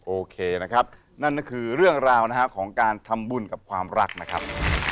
โอเคนะครับนั่นก็คือเรื่องราวนะครับของการทำบุญกับความรักนะครับ